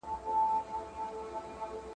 جوړه کړې یې په چت کي ځالګۍ وه ..